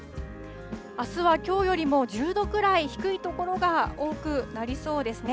あすはきょうよりも１０度くらい低い所が多くなりそうですね。